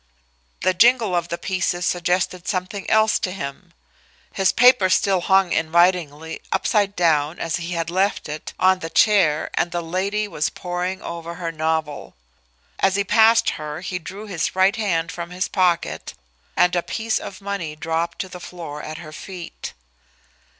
The jingle of the pieces suggested something else to him. His paper still hung invitingly, upside down, as he had left it, on the chair, and the lady was poring over her novel. As he passed her he drew his right hand from his pocket and a piece of money dropped to the floor at her feet.